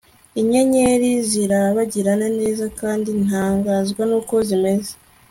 inyenyeri zirabagirana neza kandi ntangazwa nuko zimeze